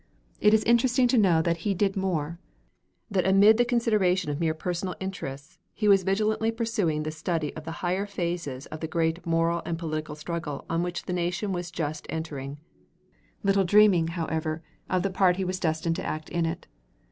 It is interesting to know that he did more; that amid the consideration of mere personal interests he was vigilantly pursuing the study of the higher phases of the great moral and political struggle on which the nation was just entering, little dreaming, however, of the part he was destined to act in it.